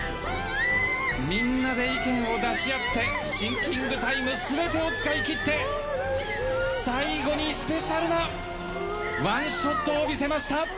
みんなで意見を出し合って、シンキングタイムすべてを使い切って、最後にスペシャルなワンショットを見せました。